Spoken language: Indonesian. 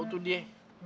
tau tuh dia